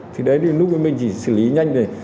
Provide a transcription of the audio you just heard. thì đấy thì nút bí mình chỉ xử lý nhanh để